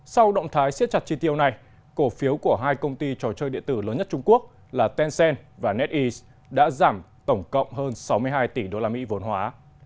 sau động thái siết chặt chi tiêu này cổ phiếu của hai công ty trò chơi điện tử lớn nhất trung quốc là tencen và net đã giảm tổng cộng hơn sáu mươi hai tỷ usd vốn hóa